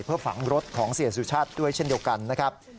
เพื่อฝังรถของเสียสุชาติด้วยเช่นเดียวกันนะครับ